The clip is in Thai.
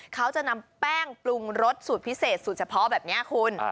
เขาจะนำแป้งปรุงรสสูตรพิเศษสูตรเฉพาะแบบนี้คุณ